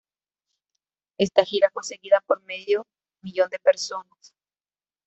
Esta gira fue seguida por medio millón de personas.